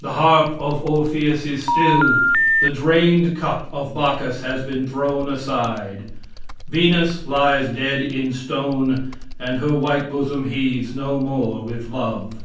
The harp of Orpheus is still; the drained cup of Bacchus has been thrown aside; Venus lies dead in stone, and her white bosom heaves no more with love.